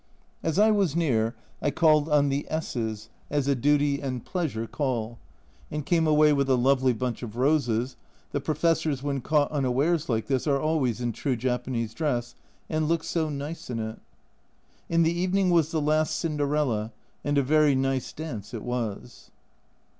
As I was near, I called on the S s as a duty 158 A Journal from Japan (and pleasure) call, and came away with a lovely bunch of roses, the Professors, when caught unawares like this, are always in true Japanese dress and look so nice in it. In the evening was the last Cinderella and a very nice dance it was.